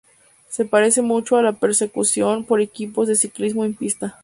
Se parece mucho a la persecución por equipos de ciclismo en pista.